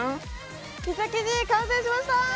ピザ生地完成しました！